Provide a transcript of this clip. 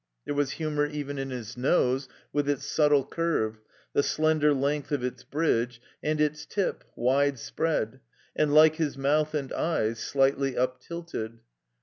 There was humor even in his nose with its subtle curve, the slender length of its bridge, and its tip, wide spread, and like his mouth and eyes, slightly uptilted.